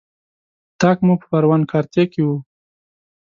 اطاق مو په پروان کارته کې و.